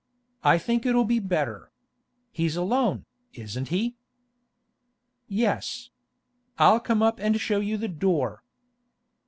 I think it'll be better. He's alone, isn't he?' 'Yes. I'll come up and show you the door.